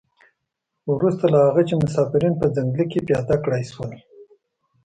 وروسته له هغه چې مسافرین په ځنګله کې پیاده کړای شول.